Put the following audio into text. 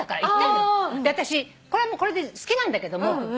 私これもこれで好きなんだけども。